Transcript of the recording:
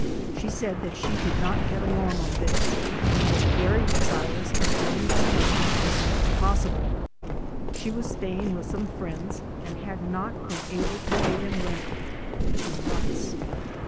She said that she could not get along on this and was very desirous of joining her husband as soon as pos sible. She was staying with some friends and had not been able to pay them rent for two months.